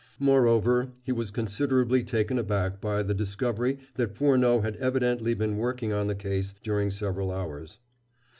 Moreover, he was considerably taken aback by the discovery that Furneaux had evidently been working on the case during several hours.